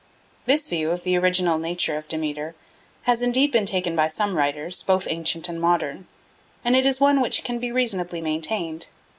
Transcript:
This view of the original nature of Demeter has indeed been taken by some writers, both ancient and modern, and it is one which can be reasonably maintained.